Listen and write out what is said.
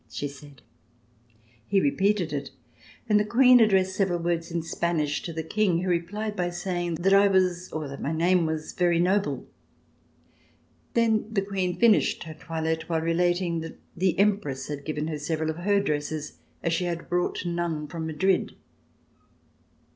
she said. He repeated it, and the Queen addressed several words in Spanish to the King who replied by saying that I was, or that my name was, very noble. Then the Queen finished her toilette while relating that the Empress had given her several of her dresses, as she had brought none from Madrid.